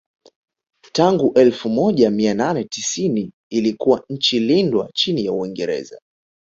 Tangu elfu moja mia nane tisini ilikuwa nchi lindwa chini ya Uingereza